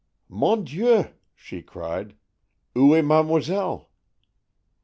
"Mon Dieu!" she cried. "_Ou est Mademoiselle?